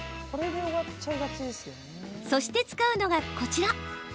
そして、使うのがこちら。